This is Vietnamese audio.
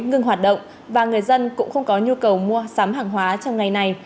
ngưng hoạt động và người dân cũng không có nhu cầu mua sắm hàng hóa trong ngày này